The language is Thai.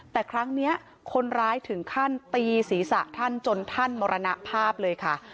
แต่ครั้งนี้คนร้ายถึงขั้นตีศีรษะท่านจนท่านมรณภาพเลยค่ะ